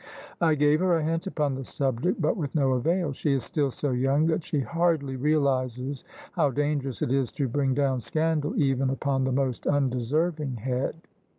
I gave her a hint upon the subject, but with no avail: she is still 80 young that she hardly realises how dangerous it is to bring down scandal even upon the most undeserving head.